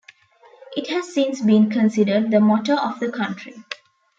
It has since been considered the motto of the country.